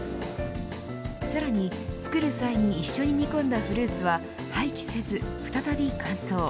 さらに、作る際に一緒に煮込んだフルーツは廃棄せず再び乾燥。